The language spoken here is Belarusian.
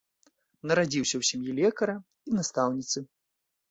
Нарадзіўся ў сям'і лекара і настаўніцы.